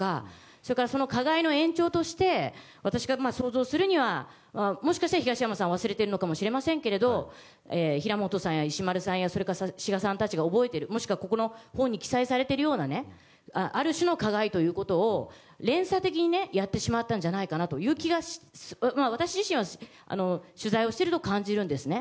それから加害の延長として私が想像するにはもしかしたら東山さんは忘れてるのかもしれませんけども平本さんや石丸さんや志賀さんたちが覚えているもしくはここの本に記載されているようなある種の加害ということを連鎖的にやってしまったのではという気が私自身は取材をしていると感じるんですね。